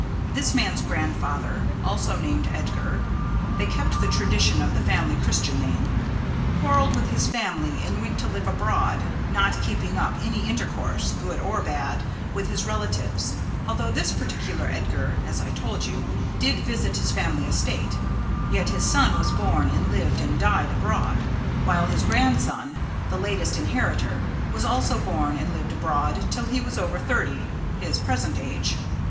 This man's grandfather, also named Edgar they keep the tradition of the family Christian name quarrelled with his family and went to live abroad, not keeping up any intercourse, good or bad, with his relatives, although this particular Edgar, as I told you, did visit his family estate, yet his son was born and lived and died abroad, while his grandson, the latest inheritor, was also born and lived abroad till he was over thirty his present age.